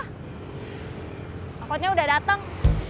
hai pokoknya udah datang